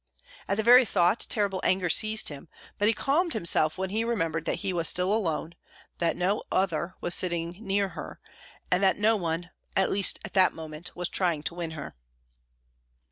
At the very thought terrible anger seized him; but he calmed himself when he remembered that he was still alone, that no "other" was sitting near her, and that no one, at least at that moment, was trying to win her.